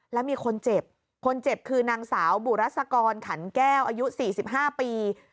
แล้วมีคนเจ็บคนเจ็บคือนางสาวบุรัศกรขันแก้วอายุ๔๕ปี